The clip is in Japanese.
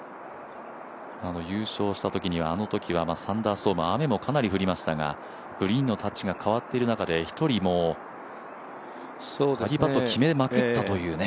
優勝したとき、あのときはサンダーストーム雨もかなり降りましたがグリーンのタッチが変わっている中で一人パットを決めまくったというね。